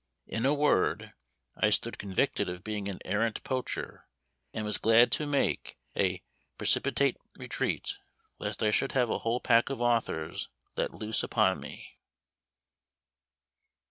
In a word, I stood convicted of being an arrant poacher, and was glad to make a precipitate retreat, lest I should have a whole pack of authors let loose upon me.